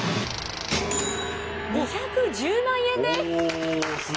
２１０万円です！